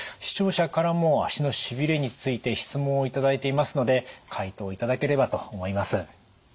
視聴者からも足のしびれについて質問を頂いていますので回答いただければと思います。